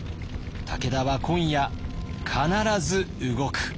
武田は今夜必ず動く。